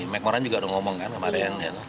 mek moran juga udah ngomong kan kemarin